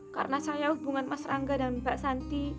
karena saya hubungan mas rangga dan mbak santi